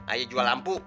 ayah jual lampu